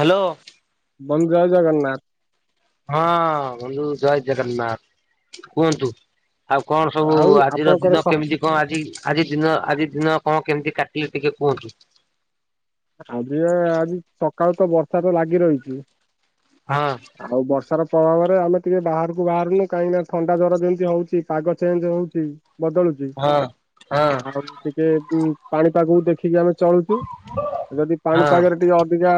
Hello. ବନ୍ଧୁ ଜୟ ଜଗନ୍ନାଥ। ହଁ ବନ୍ଧୁ ଜୟ ଜଗନ୍ନାଥ କୁହନ୍ତୁ। ଆଉ କଣ ସବୁ ଆଉ ଆଜିର ଆପଣଙ୍କର ଦିନ ସ କେମିତି କଣ ଆଜି ଆଜି ଦିନ ଆଜି ଦିନ କଣ କେମିତି କାଟିଲେ ଟିକେ କୁହନ୍ତୁ। ଆଜି ଆଜି ସକାଳୁ ତ ବର୍ଷା ତ ଲାଗି ରହିଚି। ହଁ। ଆଉ ବର୍ଷାର ପ୍ରଭାବରେ ଆମେ ଟିକେ ବାହାରକୁ ବାହାରୁନୁ କାହିଁକି ନା ଥଣ୍ଡା ଜ୍ୱର ଯେମିତି ହୋଉଚି ପାଗ ଚେଞ୍ଜ ହୋଉଚି। ବଦଳୁଛି ହଁ ହଁ। ଆଉ ଟିକେ ଠି ପାଣିପାଗକୁ ଦେଖିକି ଆମେ ଚଳୁଛୁ। ଯଦି ହଁ ପାଣିପାଗରେ ଟିକେ ଅଧିକା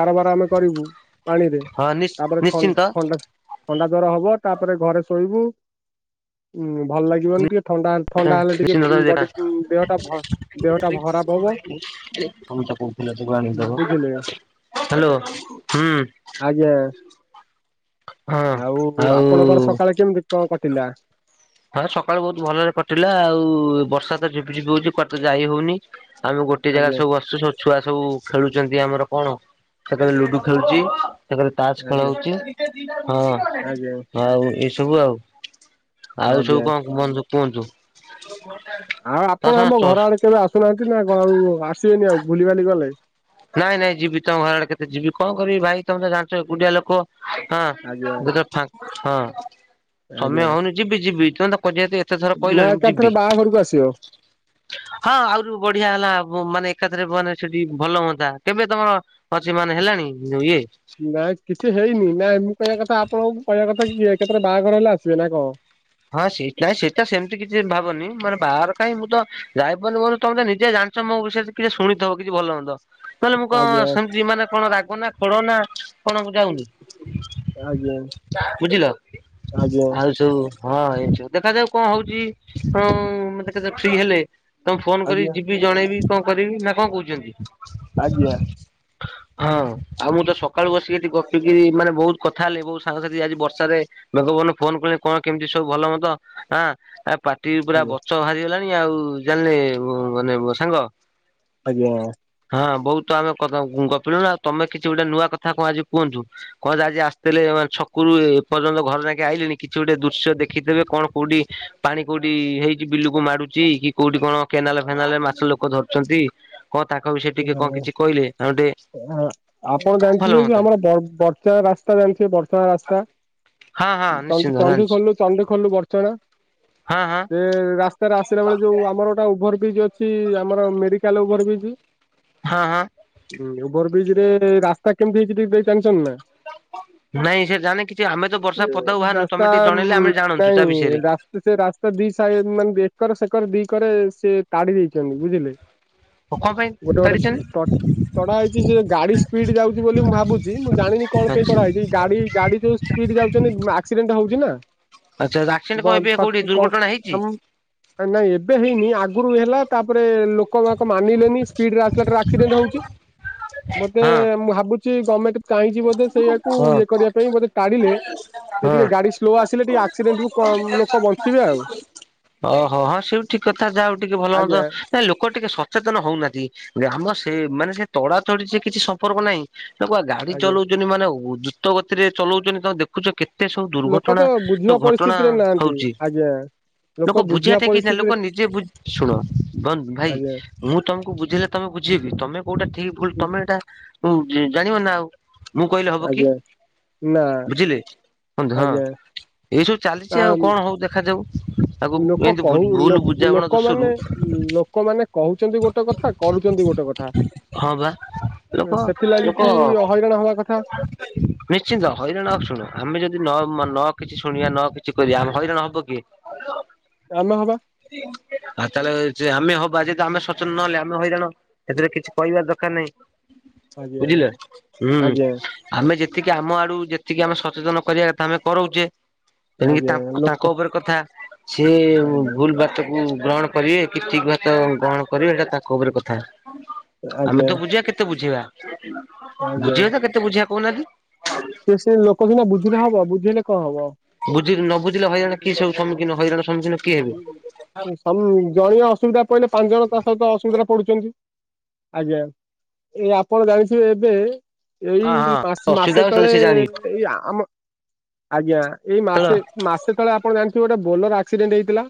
କାରବାର ଆମେ କରିବୁ ପାଣିରେ ହଁ ନିଶ୍ ତାପରେ ଥ ନିଶ୍ଚିନ୍ତ ଥଣ୍ଡା ଥଣ୍ଡା ଜ୍ୱର ହବ ତାପରେ ଘରେ ଶୋଇବୁ ଉଁ ଭଲ ଲାଗିବନି ଟିକେ ଥଣ୍ଡା ଥଣ୍ଡା ହେଲେ ନିଶ୍ଚିନ୍ତ ଟିକେ ବଡି ଦେହଟା ଦେହଟା ଖରାପ ହବ। [unintelligible] ବୁଝିଲେ ହ୍ୟାଲୋ ହୁଁ ଆଜ୍ଞା। ହଁ ଆଉ ଆପଣଙ୍କର ଆଉ ସକାଳେ କେମିତି କଣ କଟିଲା? ହଁ ସକାଳୁ ବହୁତ ଭଲରେ କଟିଲା ଆଉ ବର୍ଷା ତ ଝିପ ଝିପ ହଉଛି କୁଆଡେ ତ ଯାଇ ହଉନି ଆମେ ଗୋଟେ ଜାଗାରେ ଆଜ୍ଞା ସବୁ [unintelligible] ଛୁଆ ସବୁ ଖେଳୁଛନ୍ତି ଆମର କଣ ସେତେବେଳେ ଲୁଡୁ ଖେଳୁଛି। ସେକରେ ତାସ ଆଜ୍ଞା ଖେଳ ହଉଛି ଆଜ୍ଞା ହଁ ଆଉ ଏସବୁ ଆଉ। ଆଉ ଆଜ୍ଞା। ସବୁ କଣ କୁୁହନ୍ତୁ କୁହନ୍ତୁ। ଆଉ ତା ଆପଣ ଆମ ଘର ଆଡେ କେବେ ଆସୁନାହାନ୍ତି ନା କଣ ଆସିବେନି ଆଉ ଭୁଲିିବାଲି ଗଲେ। ନାଇଁ ନାଇଁ ଯିବି ତମ ଘର ଆଡେ କେତେ ଯିବି କଣ କରିବି ଭାଇ ତମେ ତ ଜାଣିଛ ଏକୁଟିଆ ଲୋକ। ହଁ ଆଜ୍ଞା ଯେତେ ବେଳେ ଫାଙ୍କା ହଁ ଆଜ୍ଞା ସମୟ ହଉନି ଯିବି ଯିବି ତମେ ତ [unintelligible] ଏତେ ଥର ନା କହିଲଣି ମୁଁ ଏକାଥରେ ଯିବି। ବାହାଘରକୁ ଆସିବ। ହଁ ଆହୁରି ବଢିଆ ହେଲା ମାନେ ଏକାଥରେ ବମାନେ ଅସେତି ଭଲ ହୁଅନ୍। କେବେ ତମର ଅଛି ମାନେ ହେଲାଣି ଇଏ ନା କିଛି ହେଇନି ନା ମୁଁ କହିବା କଥା ଆପଣଙ୍କୁ କହିବା କଥା କିଏ କେତେବେଳେ ବାହାଘର ହେଲେ ଆସିବେ ନା କଣ? ହଁ ସେଇଥିପାଇଁ ସେଇଟା ସେମିତି କିଛି ଭାବନି ମାନେ ବାହାର କାଇଁ ମୁଁ ତ ଯାଇପାରୁନି ମୋର ତମେ ତ ନିଜେ ଜାଣି ମୋ ବିଷୟରେ କିଛି ଶୁଣିଥିବ କିଛି ଭଲ ମନ୍ଦ। ନହେଲେ ମୁଁ କଣ ଆଜ୍ଞା ସେମିତି ମାନେ କଣ ରାଗ ନା ଖୋଡ ନା କଣ ମୁ ଯାଉନି। ଆଜ୍ଞା ନା ବୁଝିଲ ଆଜ୍ଞା ଆଉ ସବୁ ହଁ ଏଇଛ ଦେଖାଯାଉ କଣ ହଉଛି ହ ଦେଖାଯାଉ ଫ୍ରି ହେଲେ ତମକୁ ଫୋନ କରିକି ଆଜ୍ଞା ଯିବି ଜଣେଇବି କଣ କରିବି ନା କଣ କହୁଛନ୍ତି? ଆଜ୍ଞା ହଁ ଆଉ ମୁଁ ତ ସକାଳୁ ବସିକି ଏଠି ଗ୍ ପିଗିରି ମାନେ ବହୁତ କଥା ହେଲେ ବହୁତ ସାଙ୍ଗସାଥି ଆଜି ବର୍ଷାରେ ମେଘପବନ ଫୋନ କଲେ କଣ କେମିତି ସବୁ ଭଲ ମନ୍ଦ ଆଁ ପାଟିରୁ ପୁରା ବଚ ବାହାରିଗଲାଣି। ଆଉ ଜାଣିଲେ ମାନେ ସାଙ୍ଗ ମୋ ସାଙ୍ଗ ଆଜ୍ଞା। ହଁ ବହୁତ ଆମେ କ ଗପିଲୁଣି ଆଉ ତମେ କିଛି ଗୋଟେ ନୂଆ କଥା କଣ ଆଜି କୁହନ୍ତୁ? କଣ ହ ଆଜି ଆସିଥିଲେ ମ ଛକରୁ ଏ ପର୍ଯ୍ୟନ୍ତ ଘରେ ଯାକେ ଆଇଲେନି କିଛି ଗୋଟେ ଦୁ ଦୃଶ୍ୟ ଦେଖିଥିବେ କଣ କୋଉଠି? ପାଣି କୋଉଠି ହେଇଛି ବିଲୁକୁ ମାଡୁଛି କି କୋଉଠି କଣ କେନାଲ ଫେନାଲରେ ମାଛ ଲୋକ ଧରୁଛନ୍ତି। କଣ ତାଙ୍କ ବିଷୟରେ ଟିକେ କଣ କିଛି କହିଲେ ଆଉ ଟିକେ ଆପଣ ଭଲ ଜାଣିଥିବେ କି ହୁଅନ୍ତା। ଆମର ଫ [unintelligible] ବର୍ଚା ରାସ୍ତା ରାସ୍ତା ଜାଣିଛି ବର୍ଷା ରାସ୍ତା ହଁ ହଁ ଚଣ୍ଡ ନିଶ୍ଚିନ୍ତ ଜାଣିଛି ଚଣ୍ଡିଖୋଲରୁ ଚଣ୍ଡି ଖୋଲ ରୁ ବରଚଣା। ହଁ ହଁ। ସେ ରାସ୍ତାରେ ଆସିଲା ବେଳେ ଯୋଉ ଆମର ଗୋଟେ ଓଭର ବ୍ରିଜ୍ ଅଛି ଆମର ମେଡିକାଲ ଓଭର ବ୍ରିଜ ହଁ ହଁ। ଓଭର ବ୍ରିଜ ରେ ରାସ୍ତା କେମିତି ହେଇଛି ଟିକେ ଦେଇ ଜାଣିଛନ୍ତି ନା। ନାଇଁ ସେ ଜାଣିନି କିଛି ଆମେ ତ ବର୍ଷା ପଦାକୁ ବାହାରୁନୁ ତମେ ଟିକେ ଜଣେଇଲେ ଆମେ ଜାଣୁଚୁ ତାବିଷ ରାସେ ସେ ରାସ୍ତା ଦି ସାଇଡ଼ ମାନେ ଏକର ସେକର ଦିକରେ ସେ ତାଡି ଦେଇଛନ୍ତି ବୁଝିଲେ। ଓ କଣ ପାଇଁ ଗୋଟେ ଗୋଟେ ସେ ତାଡିଛନ୍ତି ପଟ ତଡା ହେଇଛି ସେ ଗାଡି ସ୍ପିଡ ଯାଉଛି ବୋଲି ମୁଁ ଭାବୁଛି। ମୁଁ ଜାଣିନି କଣ ପାଇଁ ଆଚ୍ଛା ତଡା ହେଇଛି? ଗାଡି ଗାଡି ଯୋଉ ସ୍ପିଡ ଯାଉଛନ୍ତି। ଆକ୍ସିଡେଣ୍ଟ ହଉଛି ନା। ଆଚ୍ଛା ଆକ୍ସିଡେଣ୍ଟ କଣ ଏବେ କୋଉଠି ଦୁର୍ଘଟଣା [unintelligible] ହେଇଛି? ନାଇଁ ଏବେ ହେଇନି ଆଗରୁ ହେଲା ତାପରେ ଲୋକବାକ ମାନିଲେନି ଏକ୍ସିଲେଟର ଆସ୍କଡେଣ୍ଟ ହଉଛି ମତେ ହଁ ମୁଁ ଭାବୁଛି ଗମେଣ୍ଟ ଚାହିଁଛି ବୋଧେ ସେଇୟାକୁ ହଁ ଇଏ କରିବା ପାଇଁ ବୋଧେ ତାଡିଲେ ସେ ହଁ ଟିକେ ଗାଡି ସ୍ଲୋ ଆସିଲେ ଟିକେ ଆକ୍ସିଡେଣ୍ଟ ରୁ ପ ଲୋକ ବଞ୍ଚିବେ ଆଉ। ଓହୋ ହଁ ସେଇଠୁ ଠିକ କଥା ଯାହା ହଉ ଟିକେ ଭଲ ମନ୍ଦ ଆଜ୍ଞା ନା ଲୋକ ଟିକେ ସଚେତନ ହଉନାହାନ୍ତି। ଗ୍ରାମ ସେ ମାନେ ସେ ତଡା ତଡି ସେ କିଛି ସମ୍ପର୍କ ନାହିଁ ତାକୁ ବା ଆଜ୍ଞା। ଚଲଉଚନ୍ତି ମାନେ ଦ୍ରୁତ ଗତିରେ ଚଲଉଚନ୍ତି କଣ ଦେଖ ଦେଖୁଚ କେତେ ସବୁ ଲୋକ ଦୁର୍ଘଟଣା ତ ବୁଝିବା ଘଟଣା ପରିସ୍ଥିତିରେ ନାହାନ୍ତି ହଉଚି। ଆଜ୍ଞା ଲୋକ ବୁଝିବା ବୁଝିବାଟେ କିଚି ନା ପରିସ୍ଥିତିରେ ଲୋକ ନିଜେ ବୁଝି ଶୁଣ କନ୍ ଭାଇ ଆଜ୍ଞା ମୁଁ ତମକୁ ବୁଝିଲେ ତମେ ବୁଝେଇବି ତମେ କୋଉଟା ଠିକ ଭୁଲ ଉଁ, ତମେ ଏଟା ଉ ଜାଣିବ ନା ଆଉ। ମୁଁ କହିଲେ ହବ କି? ଆଜ୍ଞା ନା ବୁଝିଲେ ବନ୍ଧୁ ହଁ ଆଜ୍ଞା ଏଇ ସବୁ ଆ ଚାଲିଚି ଆଉ କଣ ହଉ ଦେଖାଯାଉ। ଆଗକୁ ଲୋକ ଏମିତି କହୁ ଭୁଲ ଲୋକ୍ ବୁଝାମଣା ଦୋଷରୁ ଲୋକମାନେ ଲୋକମାନେ କହୁଚନ୍ତି ଗୋଟେ କଥା କରୁଚନ୍ତି ଗୋଟେ କଥା। ହଁ ବା। ଲୋକ ଏ ସେଥିଲାଗି ଲୋକ କି ହଇରାଣ ହବା କଥା। ନିଶ୍ଚିନ୍ତ ହଇରାଣ ହ ଶୁଣ ଆମେ ଯଦି ନ ନ କିଛି ଶୁଣିବା ନ କିଛି କରିବା। ଆମେ ହଇରାଣ ହବ କିଏ? [inaudible] ଆମେ ହବା। ଆଉ ତାଲେ ଚି ଆମେ ହବା ଯଦି ଆମେ ସଚେନ ନହେଲେ ଆମେ ହଇରାଣ ଏଥିରେ କିଛି କହିବାର ଦରକାର ନାହିଁ। ଆଜ୍ଞା। ବୁଝିଲେ ହୁଁ ଆଜ୍ଞା ଆମେ ଯେତିକି ଆମ ଆଡୁ ଯେତିକି ଆମେ ସଚେତନ କରିବା କଥା ଆମେ କରଉଚେ। ତେଣିକି ଆଜ୍ଞା ତାଙ୍କ୍ ଲୋକ ତାଙ୍କ ଉପରେ କଥା ସିଏ ଆଜ୍ଞା ଭୁଲ ବା ତାକୁ ଗ୍ରହଣ କରିବେ କିତି ଭାତ ଗ୍ରହଣ କରିବେ ଏଟା ତାଙ୍କ ଉପରେ କଥା। ଆମେ ଆଜ୍ଞା ତ ବୁଝେଇବା କେତେ ବୁଝେଇବା? ଆଜ୍ଞା ବୁଝେଇବା ତ କେତେ ବୁଝେଇିବା କହୁନାହାନ୍ତି? ସେ ସେ ଲୋକ ସିନା ବୁଝିଲେ ହବ ବୁଝେଇଲେ କଣ ହବ? ବୁଝିଲି ନ ବୁଝିଲ ହଇରାଣ କିଏ ସବୁଖୀନ ହଇରାଣ ସମୁଖୀନ ହୁଁ ହୁଁ ତମ୍ ଜଣିଏ ଅସୁବିଧା ପଇଲେ ପାଞ୍ଚ ଜଣ ତା ସହିତ ଅସୁବିଧାରେ ପଡୁଚନ୍ତି। ଆଜ୍ଞା। ଏ ଆପଣ ଜାଣିଥିବେ ଏବେ ହଁ ଏଇ ହଁ। ମାସ ଅସୁବିଧା ମାସେ ହବ ସେତେବେଳେ ତଳେ ସେ ଜାଣିବେ ଏଇ ଆମ ଆଜ୍ଞା ଏଇ ତେଣୁ ମାସେ ମାସେ ତଳେ ଆପଣ ଜାଣିଥିବେ ଗୋଟେ ବୋଲର ଆସ୍କ କ୍ସିଡାଣ୍ଟ ହେଇଥିଲା।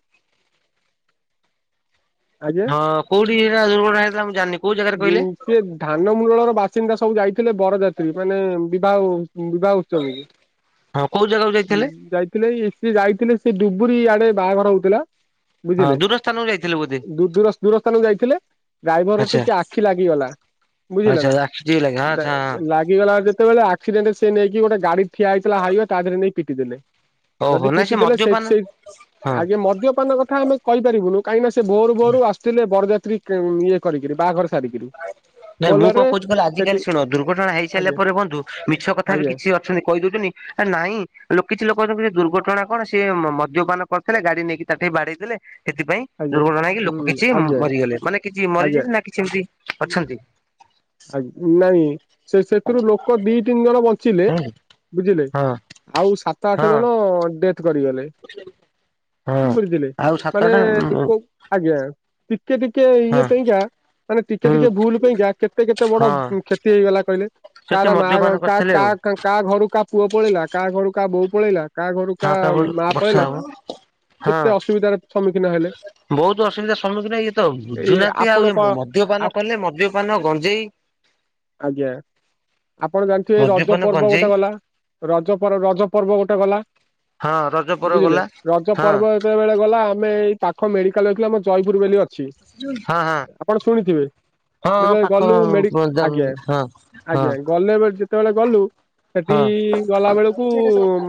ଆଜ୍ଞା। ହଁ କୋଉଠି ଏଇଭଳିଆ ଦୁଘଣା ହେଇଥିଲା। ମୁଁ ଜାଣିନି କୋଉ ଜାଗାରେ କହିଲେ? ସିଏ ଧାନ ମୁଳର ବାସିନ୍ଦା ସବୁ ଯାଇଥିଲେ ବରଯାତ୍ରୀ। ମାନେ ବିବାହକୁ ବିବାହ ଉତ୍ସବକୁ ହୁଁ ହଁ କୋଉ ଜାଗାକୁ ଯାଇଥିଲେ ଯାଇ ଥିଲେ ସିଏ ଯାଇଥିଲେ ସେ ଡୁବୁରି ଆଡେ ବାହାଘର ହଉଥିଲା। ହଁ ବୁଝିଲେ ଦୂର ସ୍ଥାନକୁ ଯାଇଥିଲେ ବୋଧେ ଦ ଦୂର ଦୂର ସ୍ଥାନକୁ ଯାଇଥିଲେ। ଡ୍ରାଇଭରର ଆଚ୍ଛା ଟିକେ ଆଖି ଲାଗିଗଲା। ବୁଝିଲ ଆଚ୍ଛା ନା ଆଖି ଟିକେ ଲାଗେ ହଁ ଆଚ୍ଛା ହଁ। [unintelligible] ଗିଗଲା ଯେତେବେଳେ ଆକ୍ସିଡେଣ୍ଟ ସେ ନେଇକି ଗୋଟେ ଗାଡି ଠିଆ ହେଇଥିଲା ହାଇୱ ତା ଧିରେ ନେଇ ପିଟି ଦେଲେ। ଯଦି ଓହୋ ନାଇଁ ସେ ପିଟି ଦେଲେ ସେଇଠି ମଦ୍ୟପାନ ସେଇ ହଁ ଆଜ୍ଞା ମଦ୍ୟପାନ କଥା ଆମେ କହିପାରିବୁନୁ କାହିଁକିନା ସେ ଭୋର୍ ଭୋରୁ ଆସୁ ଥିଲେ ବରଯାତ୍ରୀ କ ଇଏ କରିକିରି ବାହାଘର ସାରିକିରି ନାଇଁ ମୁଁ କଣ ବୋଲରରେ କହୁଚି କହିଲ ଆଜି ସେଠି କାଲି ଶୁଣ ଦୁର୍ଘଟଣା ହେଇସାରିଲା ଆଜ୍ଞା ପରେ ବନ୍ଧୁ ମିଛ କଥା ବି ଆଜ୍ଞା କିଛି ଅଛି ଶୁଣି କହି ଦଉଚନ୍ତି। ନାହିଁ ଲୋକ କିଛି ଲୋକ ଅଛନ୍ତି କି ଦୁର୍ଘଟଣା କଣ ସିଏ ମଦ୍ୟପାନ କରିଥିଲେ। ଗାଡି ନେଇକି ତାଠେଇ ବାଡେଇ ଦେଲେ। ଏଥିପାଇଁ ଆଜ୍ଞା ଦୁର୍ଘଟଣା କି ଲୋକ ହୁଁ କିଛି ଆଜ୍ଞା ମରିଗଲେ। କଣ କିଛି ଆଜ୍ଞା ମରିଛନ୍ତି ନା କିଛି ଏମିତି ଅଛନ୍ତି? ଆ ନାଇଁ ସେ ସେଥିରୁ ଲୋକ ଦି ତିନି ଜଣ ବଞ୍ଚିଲେ ହଁ ବୁଝିଲେ। ହଁ ଆଉ ସାତ ଆଠ ଜଣ ଡେଥ କରିଗଲେ। ହଁ ବୁଝଲେ ଆଉ ତାହାଲେ ସାତଟା ହଁ ଲୋକ ଆଜ୍ଞା ଟିକେ ଟିକେ ଇଏ ପାଇଁକା ମାନେ ଟିକେ ହଁ ଟିକେ ଭୁଲ ପାଇଁକା କେତେ କେତେ ବଡ ହଁ କ୍ଷତି ହେଇଗଲା କହିଲେ ସେଠି କାହାର ମଦ୍ୟପାନ ମାର କା କରିଥିଲେ ଆଉ କାହା କ କାହା ଘରୁ କାହା ପୁଅ ପଳେଇଲା। କାହା ଘରୁ କାହାୋ ପଳେଇଲା। କାହା ଘରୁ କାହା ହଉକାବୁ ମା ଭର୍ଷା ପଳେଇଲା ହେବ। ହଁ କେତେ ଅସୁବିଧାର ସମ୍ମୁଖୀନ ହେଲେ ବହୁତ ଅସୁବିଧା ସମ୍ମୁଖୀନ ଇଏ ତ ଏଇ ବୁଝୁନାହାନ୍ତି ଆଉ ଆପଣ ଇଏ କଣ ଆ ମ-ମଦ୍ୟପାନ। କଲେ ମଦ୍ୟପାନ, ଗଞ୍ଜେଇ। ଆଜ୍ଞା ଆପଣ ଜାଣିଥିବେ ରଜ ମଦ୍ୟପାନ ପର୍ବ ଗଞ୍ଜେଇ ଗୋଟେ ଗଲା। ରଜ ପର ରଜ ପର୍ବ ଗୋଟେ ଗଲା ହଁ ରଜ ପର୍ବ ବୁଝିଲେ ଗଲା। ରଜ ହଁ ପର୍ବ। କେତେବେଳେ ଗଲା ଆମେ ଏଇ ପାଖ ମେଡିକାଲରେ ଥିଲୁ ଆମ ଜୟପୁର ବୋଲି ଅଛି। ହଁ ହଁ ହଁ ଆପଣ ଶୁଣିଥିବେ ହଁ [unintelligible] ପାଖ ଗଲୁ ହଁ ମେଡି ହଁ ଆଜ୍ଞା ହଁ ହଁ ଆଜ୍ଞା ଗଲେ ବା ଯେତେବେଳେ ଗଲୁ। ସେଠି ହୁଁ ଗଲା ବେଳକୁ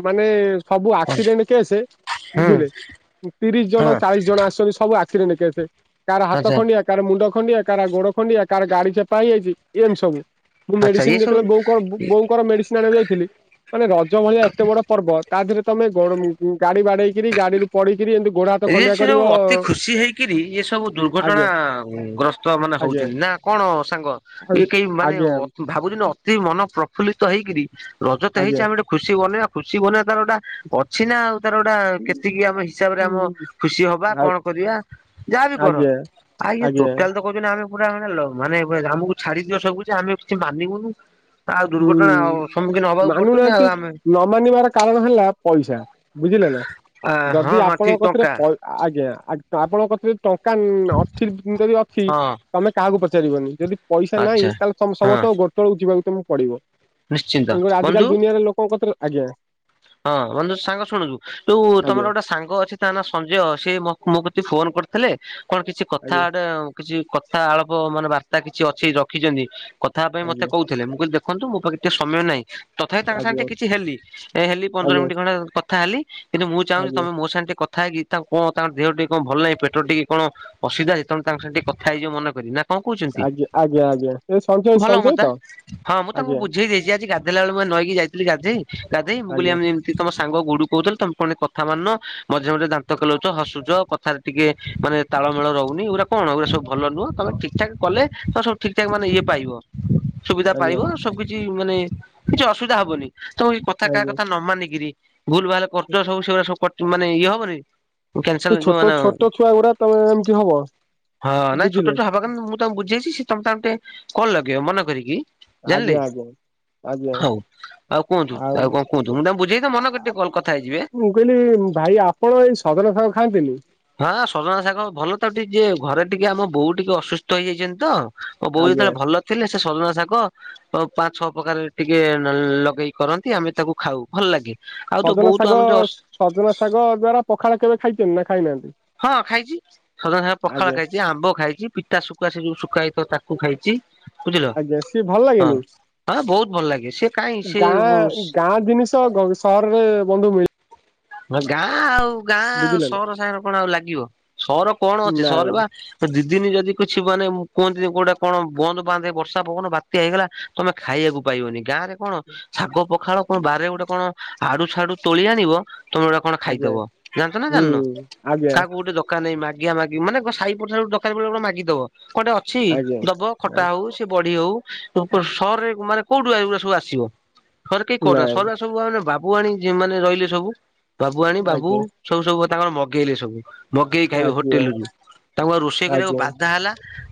ମାନେ ସବୁ ଆକ୍ସିଡେଣ୍ଟ କେସେ ବୁଝିଲେ। ତିରିଶ ଜଣ, ହଁ ଚାଳିଶ ଜଣ ଆସୁଛନ୍ତି ସବୁ ଆ ଆକ୍ସିଡେଣ୍ଟ କେସେ କାହାର ହାତ ଆଚ୍ଛା ଖଣ୍ଡିଆ କାହାର ମୁଣ୍ଡ ଖଣ୍ଡିଆ କାହାର ଗୋଡ ଖଣ୍ଡିଆ କାହାର ଗାଡି। ଚେପା ହେଇ ଯାଇଛି ଏମ ସବୁ। ମୁଁ ଆଚ୍ଛା ମେଡିସିନ ଏସବୁ ଯେତେବେଳେ ବୋଉକର ବୋ-ବୋ-ବୋଉଙ୍କର ମେଡିସିନ ଆଣିବାକୁ ଯାଇଥିଲି ମାନେ ରଜ ଭଳିଆ ଏତେ ବଡ ପର୍ବ। ତା ଦେହରେ ତମେ ଗୋଡ ଉଁ ଗାଡି ବାଡେଇକିରି ଗାଡିରୁ ପଡିକିରୀ ଏମିତି ଗୋଡ ହାତ। ଇଏ ଖଣ୍ଡିଆ ସେ କରିବ ସବୁ ଅତି ଖୁସି ହେଇକିରି ଇଏ ସବୁ ଦୁର୍ଘଟଣା ଆଜ୍ଞା ଉଁ ଗ୍ରସ୍ତ ମାନେ ଆଜ୍ଞା ହଉଛନ୍ତି ନା କଣ ସାଙ୍ଗ ଏ କେହି ମାନେ ଆଜ୍ଞା ଅ ଭାବୁଛନ୍ତି ଅତି ମନ ପ୍ରଫୁଲ୍ଲିତ ହେଇକିରି। ରଜ ତ ହେଇଛି ଆଜ୍ଞା ଆମେ ଗୋଟେ ଖୁସି ବନେଇଆ ଖୁସି ବନେଇଆ ତାର ଗୋଟା। ଅଛି ନା ଆଉ ତାର ଗୋଟା କେତିକି ଆମେ ହିସାବ ରେ ଆମ। ଆଜ୍ଞା ଖୁସି ହବା କଣ କରିବା ଯାହାବି କର ଆଜ୍ଞା ଆଉ ଇଏ ଆଜ୍ଞା ଟୋଟାଲ ତ। କହୁଛନ୍ତି ଆମେ ପୁରା ମାନେ ଲ ମାନେ [unintelligible] ଆମକୁ ଛାଡିଦିଅ ସବୁ କିଛି ଆମେ କିଛି ମାନିବୁନୁ। ଆଉ ଦୁର୍ଘଟଣା ହୁଁ ସମ୍ମୁଖୀନ ହବାକୁ ପଡୁଛନ୍ତି ଆଉ ମାନୁନାହାନ୍ତି ଆମେ ନ ମାନିବାର କାରଣ ହେଲା ପଇସା ବୁଝିଲେ ନା। ହଁ ଯଦି ହଁ ଠିକ ଆପଣଙ୍କ କତିରେ। ଟଙ୍କା ପ ଆଜ୍ଞା ଆ ଆପଣଙ୍କ କତିରେ ଯଦି ଟଙ୍କା ନ ଅଥି ଉଁ ଯଦି ଅଛି। ହଁ ତମେ କାହାକୁ ପଚାରିବନି ଯଦି ପଇସା ନାହିଁ ଆଚ୍ଛା ତାହେଲେ ତମେ ହଁ ସମସ୍ତଙ୍କ ଗୋଡ୍ ତଳକୁ ଯିବାକୁ ତମକୁ ପଡିବ। ନିଶ୍ଚିନ୍ତ ତେଣୁ କରି ବନ୍ଧୁ ଆଜିକାଲି ଦୁନିଆରେ ଲୋକଙ୍କ କତିରେ ଆଜ୍ଞା। ହଁ ବନ୍ଧୁ ସାଙ୍ଗ ଶୁଣୁଛୁ ଯୋଉ ତମର ଆଜ୍ଞା ଗୋଟେ ସାଙ୍ଗ ଅଛି। ତା ନା ସଞ୍ଜୟ ସେ ମୋ ମୋ କତି ଫୋନ କରିଥିଲେ କଣ କିଛି କଥା ଆଜ୍ଞା ଗୋଟେ। କିଛି କଥା ଆଳପ ମାନେ ବାର୍ତା କିଛି ଅଛି ରଖିଛନ୍ତି କଥା ପାଇଁ ମତେ ଆଜ୍ଞା କହୁ ଥିଲେ ମୁଁ କହିଲି ଦେଖନ୍ତୁ ମୋ ପାଖରେ ଟିକେ ସମୟ ନାହିଁ ତଥାପି ତାଙ୍କ ସାଙ୍ଗେ ଟିକେ କିଛି ହେଲି। ଏ ହେଲି ପନ୍ଦର ଆଜ୍ଞା ମିନିଟ ଖଣ୍ଡେ କଥା ହେଲି କିନ୍ତୁ ମୁଁ ଚାହୁଁଛି ଆଜ୍ଞା ଆଜ୍ଞା ତମେ ମୋ ସାଙ୍ଗ ଟିକେ କଥା ହେଇକି। ତାଙ୍କୁ କଣ ତାଙ୍କ ଦେହ ଟିକେ କଣ ଭଲ ନାହିଁ ପେଟ ଟିକେ କଣ ଅସୁବିଧା ଯେ ତମେ ତାଙ୍କ ସାଙ୍ଗ ଟିକେ କଥା ହେଇଯିବ ମନେ କରିି ନା। କଣ କହୁଛନ୍ତି ଆଜ୍ଞା ଆଜ୍ଞା ଆଜ୍ଞା ସେ ସଞ୍ଜ ଭଲ ହୁଅନ୍ତା ହଁ ମୁଁ ତାଙ୍କୁ ବୁଝେଇ ଦେଇଛି ଆଜି ଗାଧେଇଲା ବେଳେ ମୁଁ ପା ନଈକି ଯାଇଥିଲି ଗାଧେଇ। ଗାଧେଇ ମୁଁ କହିଲି ଆଜ୍ଞା [unintelligible] ଠୀ ତମ ସାଙ୍ଗ ଗୁଡୁ କହୁଥିଲେ ତମେ [unintelligible] କଥା ମାନୁନ ମଝିରେ ମଝିରେ ଦାନ୍ତ କେଲଉଛ ହସୁଛ କଥା ଟିକେ ମାନେ ତାଳମେଳ ରହୁନି ଏ ଗୁଡ଼ା କଣ ଏ ଗୁଡା ସବୁ ଭଲ ନୁହଁ ତମେ ଠିକ ଠାକ କଲେ ତ ସବୁ ଠିକ ଠାକ ମାନେ ଇଏ ପାଇବ। ସୁବିଧା ଆଜ୍ଞା ପାଇବ ସବୁ କିିଛି ମାନେ କିଛି ଅସୁବିଧା ହବନି [unintelligible] କଥା କାହା ଆଜ୍ଞା କଥା ନ ମାନିକିରି। ଭୁଲ ଭାଲ କରୁଚ ସବୁ ସେଗୁଡା ସବୁ କଟ ମାନେ ଇଏ ହବନି। କ୍ୟାଂସଲ ସେ ହେଇଯିବ ଛୋଟ ନା ଛୋଟ ଛୁଆ ଗୁଡା ତମେ ଏମିତି ହବ ହଁ ନାଇଁ ଛୋଟ ବୁଝିଲେ ଛୁଆ [unintelligible] ମୁଁ ତାଙ୍କୁ ବୁଝେଇଛି ସେ ତମେ ତାଙ୍କୁ ଟିକେ କଲ୍ ଲଗେଇବ ମନ କରିକି। ଜାଣିଲେ ଆଜ୍ଞା ଆଜ୍ଞା ଆଜ୍ଞା ହଉ ଆଉ କୁହନ୍ତୁ। ଆଉ କଣ କୁହନ୍ତୁ ମୁଁ ତାଙ୍କୁ ବୁଝେଇଚି ମନ କରି ଆ- ଟିକେ କଲ୍ କଥା ହେଇଜିବେ। ମୁଁ କହିଲି ଭାଇ ଆପଣ ଏଇ ସଜନା ସାଗ ଖାଆନ୍ତିନି। ହଁ ସଜନା ଶାଗ ଭଲ ତ ଟି ଯେ ଘରେ ଟିକେ ଆମ ବୋଉ ଟିକେ ଅସୁସ୍ଥ ହେଇଯାଇଛନ୍ତି ତ। ମୋ ବୋଉ ଆଜ୍ଞା ଯେତେବେଳେ ଭଲ ଥିଲେ ସେ ସଜନା ଶାଗ। ଅ ପାଞ୍ଚ, ଛଅ ପ୍ରକାର ଟିକେ ନଲ ଲଗେଇକି କରନ୍ତି ଆମେ ତାକୁ ଖାଉ ଭଲ ଲାଗେ। ଆଉ ତୋ ସଜନା ବୋଉ ତ ବହୁତ ଶାଗ ଆମର ଯୋଉ ସଜନା ଶାଗ ଦ୍ଵାରା ପଖାଳ କେବେ ଖାଇଛନ୍ତି ନା ଖାଇନାହାନ୍ତି? ହଁ ଖାଇଛି ସଜନା ଶାଗ ପଖାଳ ଆଜ୍ଞା ଖାଇ ଚି ଆମ୍ବ ଖାଇଛି ପିତା ଶୁଖୁଆ ସେ ଯୋଉ ଶୁଖା ହେଇଥିବ ତାକୁ ଖାଇଛି। ବୁଝିଲ ଆଜ୍ଞା ସିଏ ଭଲ ହଁ ଲାଗେନି? ହଁ ବହୁତ ଭଲ ଲାଗେ ସେ କାହିଁ ସେ ଗାଁ ଗାଁ ଜିନିଷ ସହର ରେ ବନ୍ଧୁ ମିଳି ଗାଁ ଆଉ ଗାଁ ଆଉ ବୁଝିଲେ ନା? ସହର ସାଙ୍ଗରେ କଣ ଆଉ ଲାଗିବ। ସହରରେ କଣ ଅଛି ସହର ନାଇଁ ବା ଦିଦିନ ଯଦି କିଛିି ମାନେ ମୁଁ କୁହନ୍ତି କୋଉ ଗୋଟେ କଣ ବନ୍ଦ ବାନ୍ଧ ହେ ବର୍ଷା ପବନ ବାତ୍ୟା ହେଇଗଲା। ତମେ ଖାଇବାକୁ ପାଇବନି। ଗାଁରେ କଣ ଶାଗ ପଖାଳ କଣ ବାରିରେ ଗୋଟେ କଣ ଆଡୁ ସାଡୁ ତୋଳି ଆଣିବ ତମେ ଗୋଟା କଣ ଆଜ୍ଞା ଖାଇଦବ ଜାଣିଛ ନା ହୁଁ ଜାଣିନ? ଆଜ୍ଞା କାହାକୁ ଗୋଟେ ଦ ରକାର ନାଇଁ ମାଗିଆ ମାଗି। ମାନେ କଣ ସାହି ପଡ଼ିଶାରେ ଦରକାର ପଡିଲେ ମାଗିଦବ। କଣ ଅଛି ଆଜ୍ଞା। ଦବ ଖଟା ନାଇଁ ହଉ ସେ ବଢି ହଉ ସହରରେ ମାନେ କୋଉଠୁ ଏଗୁରା ସବୁ ଆସିବ? ସହରରେ କେହି କରୁ ନାହାଁନ୍ତି। ସହରରେ ସବୁ ପା ମାନେ ବାବୁଆଣୀ ଯେଉଁ ମାନେ ରହିଲେ ସବୁ। ବାବୁଆଣୀ, ବାବୁ। ଆଜ୍ଞା ସବୁ ସବୁ ପା ତାଙ୍କର ମଗେଇଲେ ସବୁ। ମଗେଇ ଖାଇବେ ଆଜ୍ଞା ହୋଟେଲ ରୁ। ତାଙ୍କୁ ପା ରୋଷେଇ କରିବାକୁ ଆଜ୍ଞା ବାଧା ହେଲା।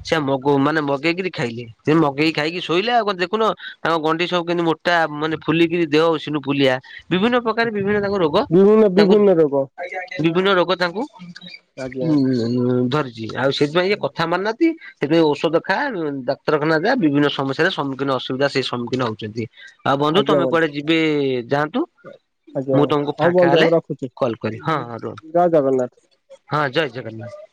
ସେ ମାନେ ମଗେଇକିରି ଖାଇଲେ। ସେ ମଗେଇି ଖାଇକି ଶୋଇଲେ ଆଉ ଦେଖୁନ ତାଙ୍କ ଗଣ୍ଡି ସବୁୁ କେମିତି ମୋ ଟା ମାନେ ଫୁଲିକିରି ଦେହ ଉସୁନୁଫୁଲିଆ। ବିଭିନ୍ନ ପ୍ରକାର ବିଭିନ୍ନ ତାଙ୍କ ରୋଗ ବିଭିନ୍ନ ତାଙ୍କୁ ବିଭିନ୍ନ ରୋଗ। ବିଭିନ୍ନ ରୋଗ ତାଙ୍କୁ ଆଜ୍ଞା ଉ ଧରିଛି। ଆଉ ସେଥିପାଇଁ କଥା ମାନୁ ନାହାଁନ୍ତି ସେଥିପାଇଁ ଔଷଧ ଖାଆ, ଡାକ୍ତରଖାନା ଯା ବିଭିନ୍ନ ସମସ୍ୟାରେ ସମ୍ମୁଖୀନ ଅସୁବିଧା ସେଇ ସମ୍ମୁଖୀନ ହଉଛନ୍ତି। ଆଉ ବନ୍ଧୁ ତମେ କୁଆଡ଼େ ଯିବେ ଯାଆନ୍ତୁ। ଆଜ୍ଞା। ମୁଁ ତମକୁ ହଉ ଫାଙ୍କା ବନ୍ଧୁ ହେଲେ ଆମେ ରଖୁଛି। କଲ୍ କରିବି ହଁ ହଁ ରୁହ ଜୟ ଜଗନ୍ନାଥ। ହଁ ଜୟ ଜଗନ୍ନାଥ।